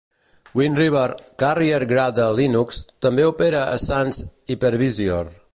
Wind River "Carrier Grade Linux" també opera a Sun's Hypervisor.